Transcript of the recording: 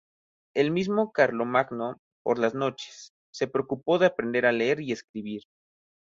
El mismo Carlomagno, por las noches, se preocupó de aprender a leer y escribir.